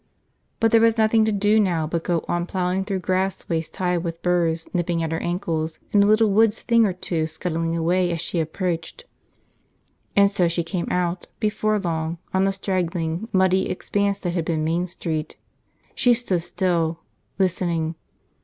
But there was nothing to do now but go on, plowing through grass waist high with burrs nipping at her ankles and a little wood's thing or two scuttling away as she approached. And so she came out, before long, on the straggling, muddy expanse that had been Main Street. She stood still, listening.